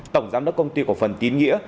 tổng giám đốc công ty cổ phần tín nghĩa